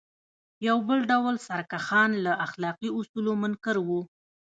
یو بل ډول سرکښان له اخلاقي اصولو منکر وو.